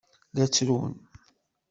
La ttrun.